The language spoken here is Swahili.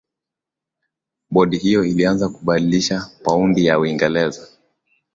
bodi hiyo ilianza kubadilisha paundi ya uingereza